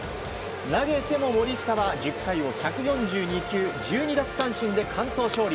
投げても森下は１０回を１４２球１２奪三振で完投勝利。